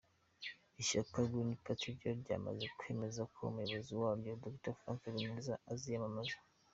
Ishyaka Green Party ryo ryamaze kwemeza ko umuyobozi waryo, Dr Frank Habineza aziyamamaza.